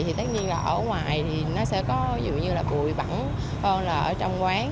thì tất nhiên là ở ngoài thì nó sẽ có dù như là bụi bẳng hơn là ở trong quán